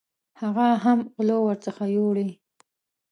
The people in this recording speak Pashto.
هغه هم غلو ورڅخه یوړې.